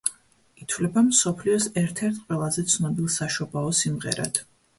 ითვლება მსოფლიოს ერთ-ერთ ყველაზე ცნობილ საშობაო სიმღერად.